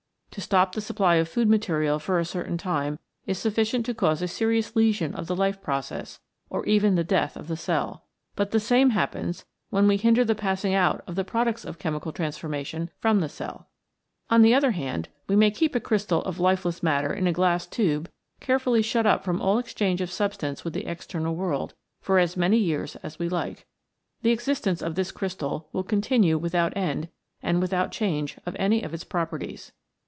To stop the supply of food material for a certain time is sufficient to cause a serious lesion of the life process or even the death of the cell. But the same happens when we hinder the passing out of the products of chemical transforma 62 REACTIONS IN LIVING MATTER tion from the cell. On the other hand, we may keep a crystal of lifeless matter in a glass tube carefully shut up from all exchange of substance with the external world for as many years as we like. The existence of this crystal will continue without end and without change of any of its properties.